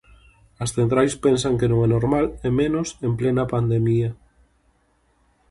As centrais pensan que non é normal e, menos, en plena pandemia.